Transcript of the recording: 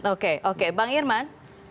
oke oke bang irman